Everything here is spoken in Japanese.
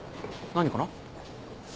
何かな？